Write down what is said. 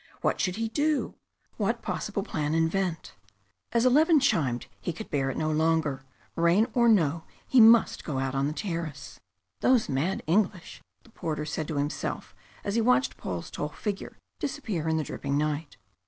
What should he do? What possible plan invent? As eleven chimed he could bear it no longer. Rain or no, he must go out on the terrace! "Those mad English!" the porter said to himself, as he watched Paul's tall figure disappear in the dripping night.